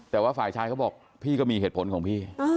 แต่ว่าฝ่ายชายเขาบอกพี่ก็มีเหตุผลของพี่